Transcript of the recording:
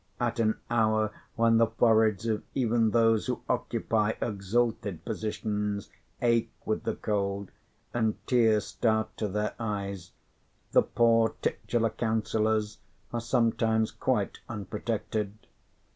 At an hour when the foreheads of even those who occupy exalted positions ache with the cold, and tears start to their eyes, the poor titular councillors are sometimes quite unprotected.